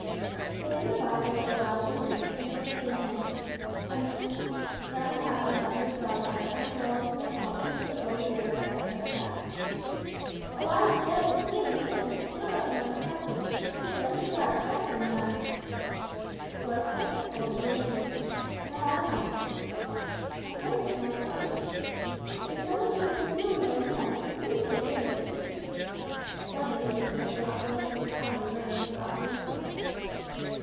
But in the bustle of the last few minutes they missed seeing him; the young captain got into his dog cart, and was well on his way home before the boys were ready to start in their trap. "Oh, I say! See him in the distance! Whip up and let us catch him. Here, let me drive, it's my turn now!" But Roy clutched hold of the reins. "No, I want to." "I tell you it's my turn!" "It's the only thing I can do with one leg, it's a beastly shame of you!" Dudley, who had nearly got possession of the coveted reins dropped them instantly.